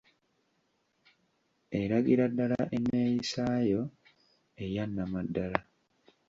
Eragira ddala enneeyisaayo eya nnamaddala.